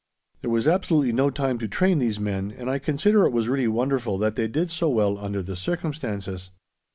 There was absolutely no time to train these men, and I consider it was really wonderful that they did so well under the circumstances.